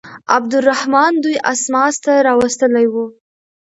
عبدالرحمن دوی اسماس ته راوستلي وه.